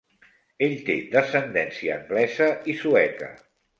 Ell té descendència anglesa i sueca.